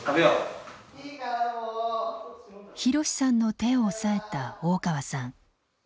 ひろしさんの手を押さえた大川さん。